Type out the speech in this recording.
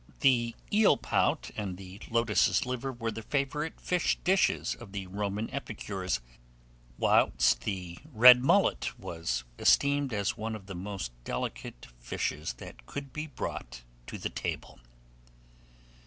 The eel pout and the lotas's liver were the favourite fish dishes of the Roman epicures; whilst the red mullet was esteemed as one of the most delicate fishes that could be brought to the table.